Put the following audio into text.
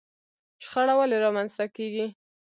شخړه ولې رامنځته کېږي؟